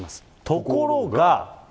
ところが。